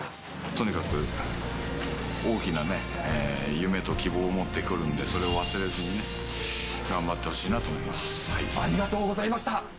とにかく大きなね、夢と希望を持って来るんで、それを忘れずに頑張ってほしいなありがとうございました。